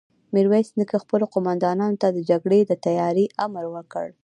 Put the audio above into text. ميرويس نيکه خپلو قوماندانانو ته د جګړې د تياري امر وکړ.